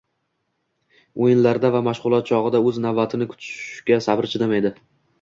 o‘yinlarda va mashg‘ulot chog‘ida o‘z navbatini kutishga sabri chidamaydi